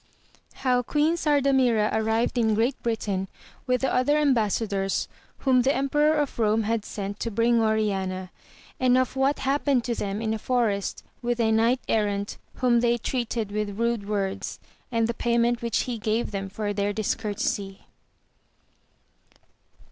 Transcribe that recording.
— How Queen Sardamira arrived in Great Britain with the other Embassadors whom the Emperor of Borne had sent to bring Oriana, and of what happened to them in a forest with a Knight Errant whom they treated with rude words, and the payment which he gave them for their discourtesy.